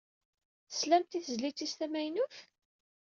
Teslamt i tezlit-is tamaynut?